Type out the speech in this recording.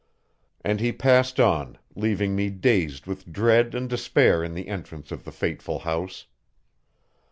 And he passed on, leaving me dazed with dread and despair in the entrance of the fateful house.